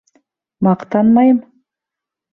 — Маҡтанмайым.